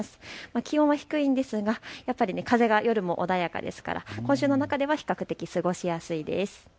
気温は低いんですが風が夜も穏やかですから今週の中では比較的、過ごしやすいです。